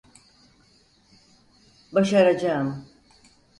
Başaracağım.